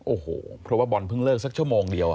โอ้โหเพราะว่าบอลเพิ่งเลิกสักชั่วโมงเดียว